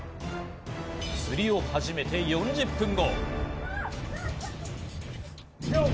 釣りを始めて４０分後。